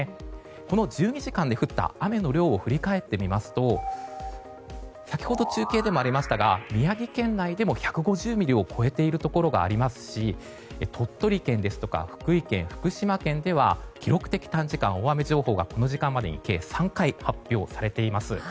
この１２時間で降った雨の量を振り返ってみますと先ほど、中継でもありましたが宮城県内でも１５０ミリを超えているところがありますし鳥取県ですとか福井県福島県では記録的短時間大雨情報がこの時間までに計３回発表されています。